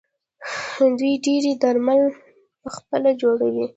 دوی ډیری درمل پخپله جوړوي.